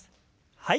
はい。